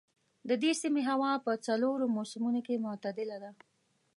د دې سيمې هوا په څلورو موسمونو کې معتدله ده.